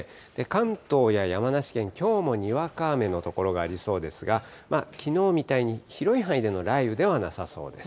関東や山梨県、きょうもにわか雨の所がありそうですが、きのうみたいに広い範囲での雷雨ではなさそうです。